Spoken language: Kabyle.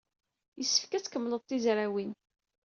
Yessefk ad tkemmled tizrawin.